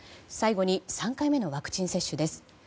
最後に３回目のワクチン接種です。